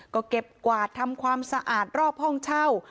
ก็เก็บกวาดทำความสะอาดรอบห้องเช่า